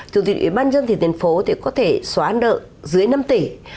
thì ủy ban dân tỉnh thành phố thì có thể xóa nợ dưới năm tỷ